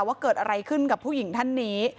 ว่าเกิดอะไรขึ้นกับผู้หญิงท่านนี้